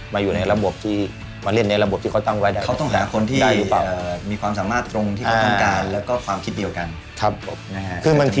มาเล่นในระบบที่เขาตั้งไว้